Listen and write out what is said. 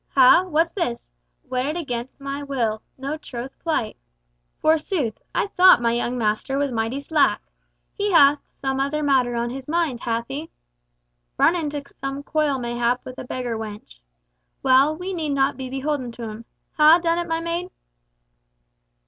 Ha! what's this? 'Wedded against my will—no troth plight.' Forsooth, I thought my young master was mighty slack. He hath some other matter in his mind, hath he? Run into some coil mayhap with a beggar wench! Well, we need not be beholden to him. Ha, Dennet, my maid!"